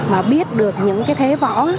mà biết được những cái thế võ